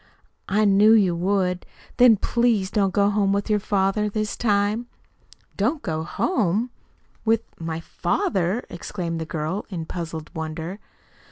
"I knew you would. Then please don't go home with your father this time." "Don't go home with my father!" exclaimed the girl, in puzzled wonder.